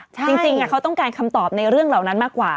จริงเขาต้องการคำตอบในเรื่องเหล่านั้นมากกว่า